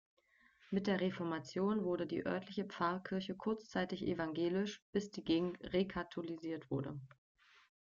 Mit der Reformation wurde die örtliche Pfarrkirche kurzzeitig evangelisch, bis die Gegend rekatholisiert wurde.